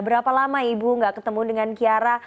berapa lama ibu gak ketemu dengan kiara